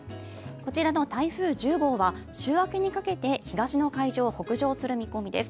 こちらの台風１０号は週明けにかけて東の海上を北上する見込みです。